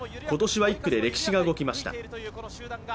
今年は１区で歴史が動きました。